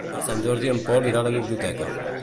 Per Sant Jordi en Pol irà a la biblioteca.